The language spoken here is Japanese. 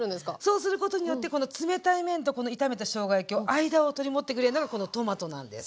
そうすることによってこの冷たい麺とこの炒めたしょうが焼きを間を取り持ってくれるのがこのトマトなんです。